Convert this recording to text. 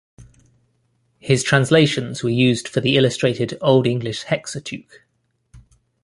His translations were used for the illustrated Old English Hexateuch.